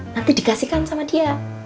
nanti dikasihkan sama dia